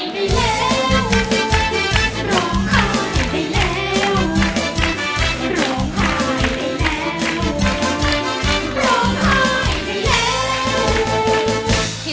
ผิดขนไหนนะ